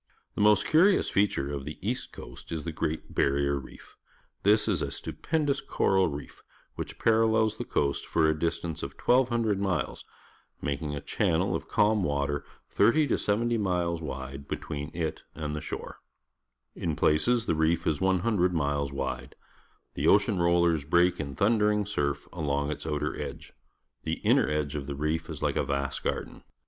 The most curious feature of the east coast is the Great Barrier R eef. This is a stu pendous ^coraLxeei, wliich parallels the coast for a distance of 1,200 miles, making' a" cfian ' Corals on the Great Barrier Reef, Australia nel of calm water, tliirty to seventy miles wide, between it and the shore. In places the reef is 100 miles wide. The ocean roll ers break in thundering surf along its out er edge. The inner edge of the reef is Uke a vast garden.